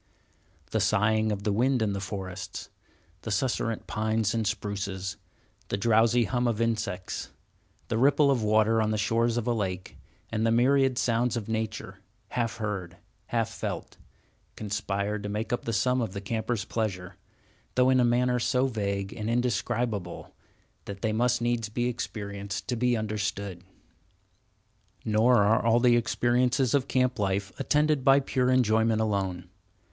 The sighing of the wind in the forests, the susurrant pines and spruces, the drowsy hum of insects, the ripple of water on the shores of a lake, and the myriad sounds of nature—half heard, half felt—conspire to make up the sum of the camper's pleasure; though in a manner so vague and indescribable that they must needs be experienced to be understood. Nor are all the experiences of camp life attended by pure enjoyment alone.